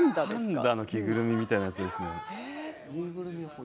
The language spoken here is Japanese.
パンダの着ぐるみみたいなものですね。